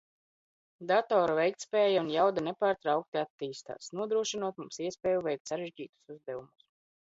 Datoru veiktspēja un jauda nepārtraukti attīstās, nodrošinot mums iespēju veikt sarežģītus uzdevumus.